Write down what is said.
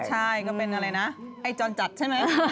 ใช่ก็เป็นอะไรนะไอ้จรจัดใช่ไหม